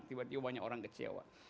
tiba tiba banyak orang kecewa